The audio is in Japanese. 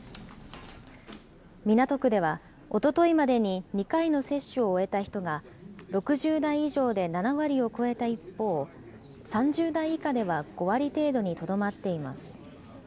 港区では、おとといまでに２回の接種を終えた人が６０代以上で７割を超えた一方、３０代以下では５割程度にとどまっています。